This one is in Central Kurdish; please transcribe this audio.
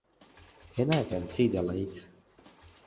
تێناگەم چی دەڵێیت.